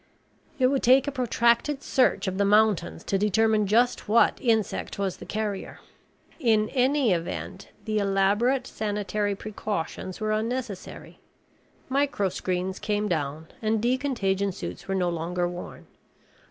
It would take a protracted search of the mountains to determine just what insect was the carrier. In any event the elaborate sanitary precautions were unnecessary. Microscreens came down and decontagion suits were no longer worn.